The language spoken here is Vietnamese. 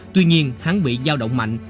tuy nhiên hắn bị giao động mạnh